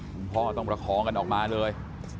คุณพ่อต้องประคองกันออกมาเลย